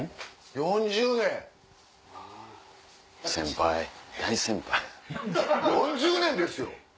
４０年ですよ！